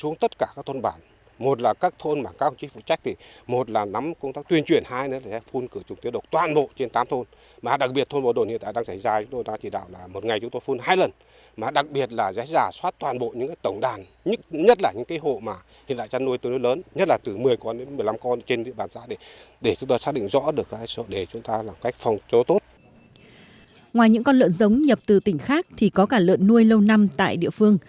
ngoài những con lợn giống nhập từ tỉnh khác thì có cả lợn nuôi lâu năm tại địa phương